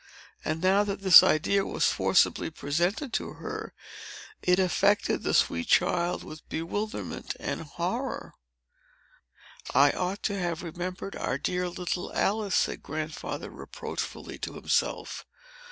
And now that this idea was forcibly presented to her, it affected the sweet child with bewilderment and horror. "I ought to have remembered our dear little Alice," said Grandfather reproachfully to himself.